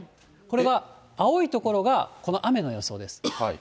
これが、青い所がこの雨の予想です。